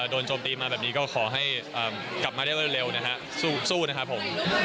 โจมตีมาแบบนี้ก็ขอให้กลับมาได้เร็วนะฮะสู้นะครับผม